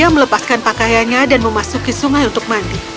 ia melepaskan pakaiannya dan memasuki sungai untuk mandi